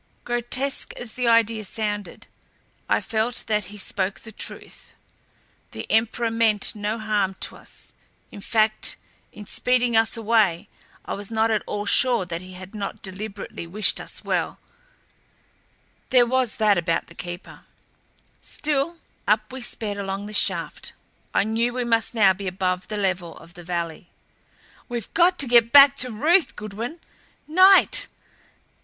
Grotesque as the idea sounded, I felt that he spoke the truth. The Emperor meant no harm to us; in fact in speeding us away I was not at all sure that he had not deliberately wished us well there was that about the Keeper Still up we sped along the shaft. I knew we must now be above the level of the valley. "We've got to get back to Ruth! Goodwin NIGHT!